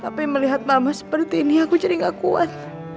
tapi melihat mama seperti ini aku jadi gak kuat